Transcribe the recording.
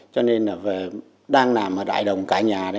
cho nên đang làm ở đại đồng cả nhà